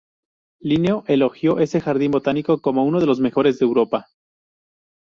Linneo elogió ese jardín botánico como uno de los mejores de Europa.